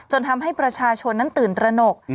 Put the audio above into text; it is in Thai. ทำให้ประชาชนนั้นตื่นตระหนก